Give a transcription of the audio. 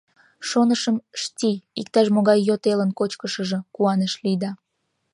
Шонышым, шти — иктаж-могай йот элын кочкышыжо», — куаныш Лида.